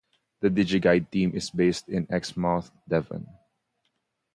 The DigiGuide team is based in Exmouth, Devon.